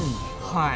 はい。